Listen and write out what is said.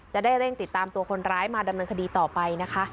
จะได้เร่งติดตามตัวคนร้ายมาดำเนินคดีต่อไปนะคะ